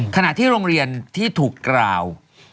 ขณะที่โรงเรียนที่ถูกกล่าว